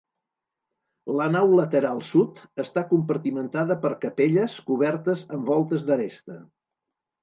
La nau lateral sud està compartimentada per capelles cobertes amb voltes d'aresta.